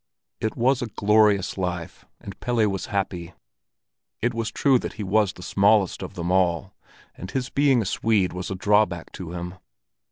It was a glorious life, and Pelle was happy. It was true he was the smallest of them all, and his being a Swede was a drawback to him.